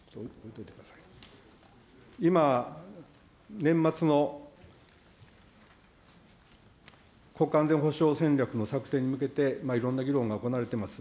今、年末の戦略の策定に向けて、いろんな議論が行われています。